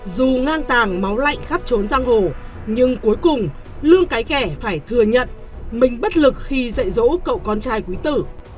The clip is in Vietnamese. dù ngang tàng máu lạnh khắp trốn giang hồ nhưng cuối cùng lương cái khẻ phải thừa nhận mình bất lực khi dạy dỗ cậu con trai quý tử